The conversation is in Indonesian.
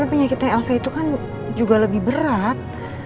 tapi penyakitnya elsa itu kan juga lebih berat